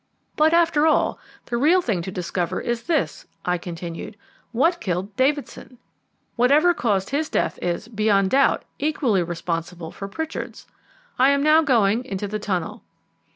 But, after all, the real thing to discover is this," I continued: "what killed Davidson? Whatever caused his death is, beyond doubt, equally responsible for Pritchard's. I am now going into the tunnel."